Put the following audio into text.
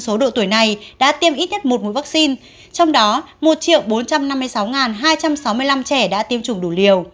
tổ tuổi này đã tiêm ít nhất một mũi vaccine trong đó một bốn trăm năm mươi sáu hai trăm sáu mươi năm trẻ đã tiêm chủng đủ liều